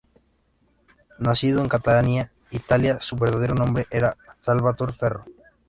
Nacido en Catania, Italia, su verdadero nombre era Salvatore Ferro.